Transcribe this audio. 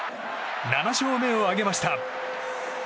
７勝目を挙げました。